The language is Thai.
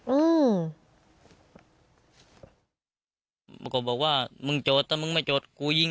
อืมมันก็บอกว่ามึงจดถ้ามึงไม่จดกูยิง